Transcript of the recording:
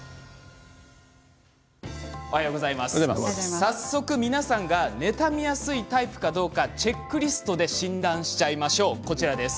早速、皆さんが妬みやすいタイプかどうかチェックリストで診断しましょう。